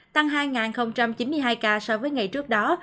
tăng hai chín mươi hai ca so với ngày trước đó